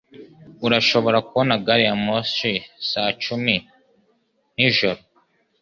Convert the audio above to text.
Urashobora kubona gari ya moshi saa icumi nijoro?